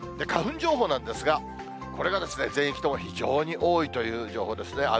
花粉情報なんですが、これが全域とも非常に多いという情報ですね。